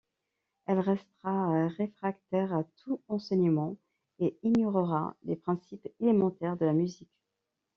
Elle restera réfractaire à tout enseignement et ignorera les principes élémentaires de la musique.